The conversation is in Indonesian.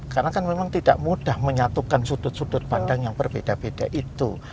karena kan memang tidak mudah menyatukan sudut sudut pandang yang berbeda beda itu